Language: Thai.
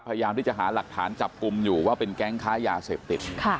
พยายามที่จะหาหลักฐานจับกลุ่มอยู่ว่าเป็นแก๊งค้ายาเสพติด